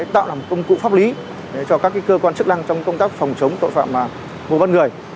tạo làm công cụ pháp lý cho các cơ quan chức năng trong công tác phòng chống tội phạm mua bán người